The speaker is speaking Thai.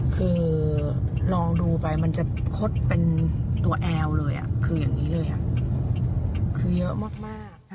คือลองดูไปมันจะคดเป็นตัวแอลเลยคืออย่างนี้เลยคือเยอะมาก